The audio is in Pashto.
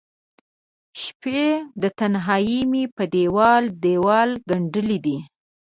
شپې د تنهائې مې په دیوال، دیوال ګنډلې دي